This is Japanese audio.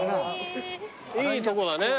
いいとこだね。